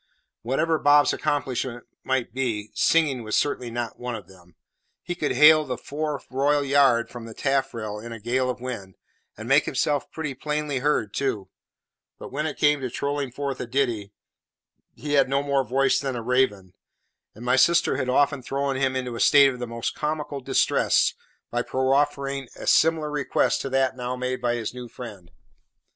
Whatever Bob's accomplishments might be, singing was certainly not one of them. He could hail the fore royal yard from the taffrail in a gale of wind, and make himself pretty plainly heard too; but when it came to trolling forth a ditty, he had no more voice than a raven; and my sister had often thrown him into a state of the most comical distress by proffering a similar request to that now made by his new friend.